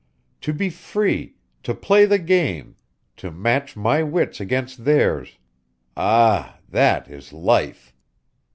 To be free, to play the game, to match my wits against theirs ah, that is life!"